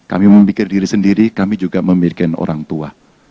kami memikir diri sendiri kami juga memikirkan orang tua